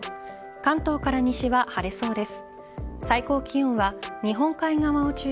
関東から西は晴れそうです。